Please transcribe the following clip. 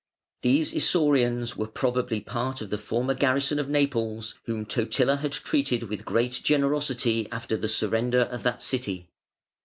These Isaurians were probably part of the former garrison of Naples whom Totila had treated with great generosity after the surrender of that city.